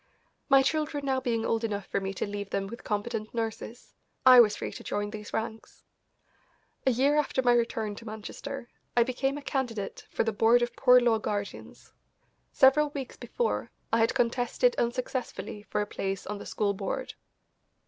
My children now being old enough for me to leave them with competent nurses, I was free to join these ranks. A year after my return to Manchester I became a candidate for the Board of Poor Law Guardians. Several weeks before, I had contested unsuccessfully for a place on the school board.